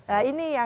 nah ini yang